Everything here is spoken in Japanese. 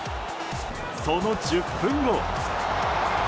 その１０分後。